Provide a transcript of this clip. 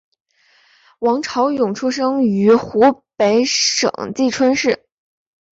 汪潮涌出生于湖北省蕲春县。